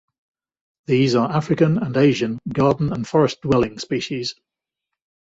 These are African and Asian garden and forest dwelling species.